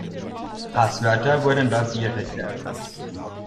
Passwörter wurden dort direkt veröffentlicht.